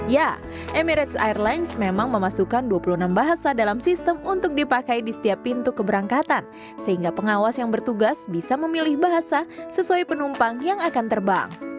ya emirates airlines memang memasukkan dua puluh enam bahasa dalam sistem untuk dipakai di setiap pintu keberangkatan sehingga pengawas yang bertugas bisa memilih bahasa sesuai penumpang yang akan terbang